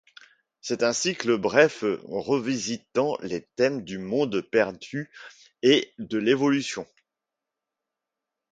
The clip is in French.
C'est un cycle bref, revisitant les thèmes du monde perdu et de l'évolution.